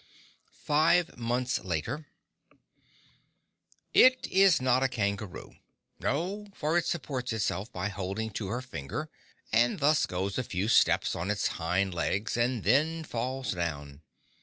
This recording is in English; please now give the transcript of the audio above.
Five Months Later It is not a kangaroo. No, for it supports itself by holding to her finger, and thus goes a few steps on its hind legs, and then falls down.